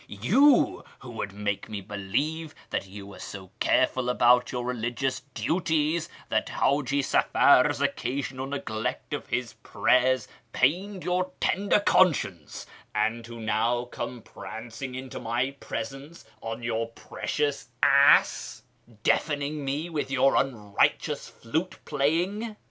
— you who would make me believe that you were so careful about your religious duties that Hiiji Safar's occasional neglect of his prayers pained your tender conscience, and who now come prancing into my presence on your precious ass deafening me with your unrighteous flute playing